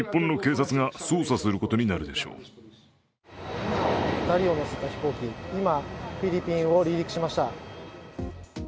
２人を乗せた飛行機、今、フィリピンを離陸しました。